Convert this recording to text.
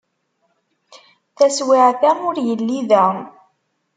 Taswiɛt-a ur yelli da.